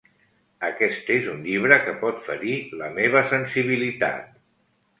Aquest és un llibre que pot ferir la meva sensibilitat.